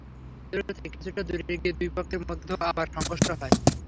কেন্দ্র থেকে কিছুটা দূরে গিয়ে দুই পক্ষের মধ্যে আবার সংঘর্ষ হয়।